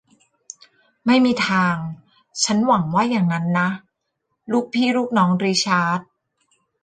ไม่มีทาง ฉันหวังว่าอย่างนั้นนะ ลูกพี่ลูกน้องริชาร์ด